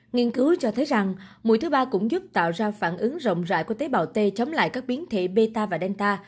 nghiên cứu cho thấy rằng mũi thứ ba cũng giúp tạo ra phản ứng rộng rãi của tế bào t chống lại các biến thể meta và delta